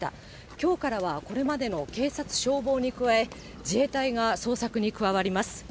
きょうからはこれまでの警察、消防に加え、自衛隊が捜索に加わります。